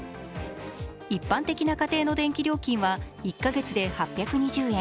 一般的な家庭の電気料金は１か月で８２０円。